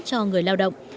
cho người lao động